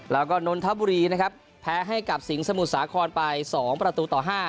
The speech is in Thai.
แล้วก็นนทบุรีนะครับแพ้ให้กับสิงห์สมุทรสาครไป๒ประตูต่อ๕